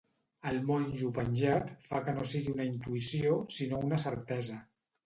El monjo penjat fa que no sigui una intuïció, sinó una certesa.